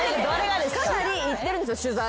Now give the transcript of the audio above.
かなり行ってるんですよ取材。